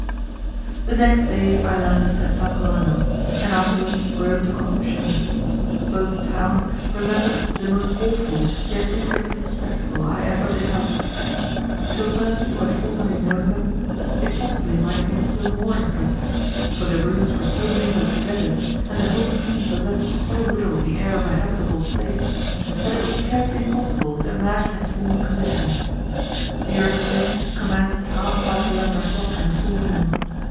The next day I landed at Talcahuano, and afterwards rode to Concepcion. Both towns presented the most awful yet interesting spectacle I ever beheld. To a person who had formerly known them, it possibly might have been still more impressive; for the ruins were so mingled together, and the whole scene possessed so little the air of a habitable place, that it was scarcely possible to imagine its former condition. The earthquake commenced at half past eleven o'clock in the forenoon.